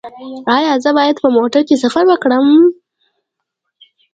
ایا زه باید په موټر کې سفر وکړم؟